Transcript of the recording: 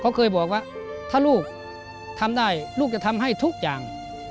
เขาเคยบอกว่าถ้าลูกทำได้ลูกจะทำให้ทุกอย่าง